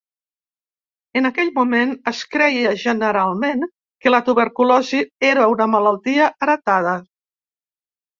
En aquell moment, es creia generalment que la tuberculosi era una malaltia heretada.